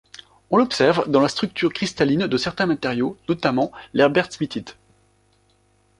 On l'observe dans la structure cristalline de certains matériaux, notamment l'Herbertsmithite.